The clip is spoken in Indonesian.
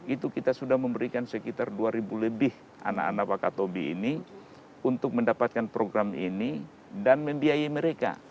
itu kita sudah memberikan sekitar dua lebih anak anak wakatobi ini untuk mendapatkan program ini dan membiayai mereka